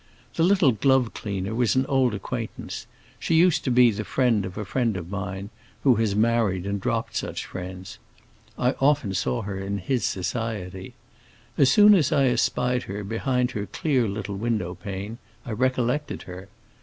The little glove cleaner was an old acquaintance; she used to be the friend of a friend of mine, who has married and dropped such friends. I often saw her in his society. As soon as I espied her behind her clear little window pane, I recollected her.